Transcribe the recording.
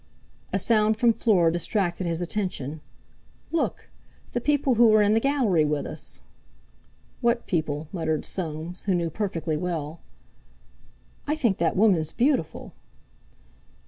A sound from Fleur distracted his attention. "Look! The people who were in the Gallery with us." "What people?" muttered Soames, who knew perfectly well. "I think that woman's beautiful."